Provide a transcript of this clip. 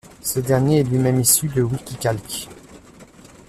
Ce dernier est lui-même issu de WikiCalc.